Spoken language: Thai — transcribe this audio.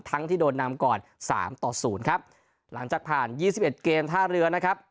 ที่โดนนำก่อนสามต่อศูนย์ครับหลังจากผ่านยี่สิบเอ็ดเกมท่าเรือนะครับ